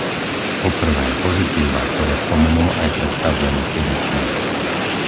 Po prvé, pozitíva, ktoré spomenul aj predchádzajúci rečník.